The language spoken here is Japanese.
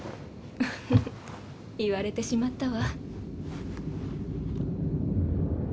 ふふふっ言われてしまったわ。